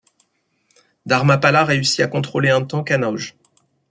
Dharmapala réussit à contrôler un temps Kanauj.